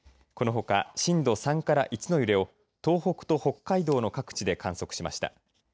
このほか震度３から１の揺れを東北と北海道の各地で観測しました。